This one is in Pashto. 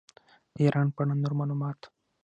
د ایران په اړه نور معلومات.